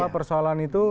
apa persoalan itu